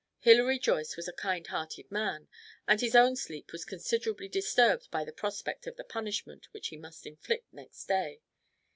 Hilary Joyce was a kind hearted man, and his own sleep was considerably disturbed by the prospect of the punishment which he must inflict next day.